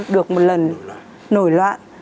được một lần nổi loạn